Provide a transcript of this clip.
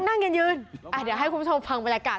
เดี๋ยวให้คุณผู้ชมฟังบรรยากาศ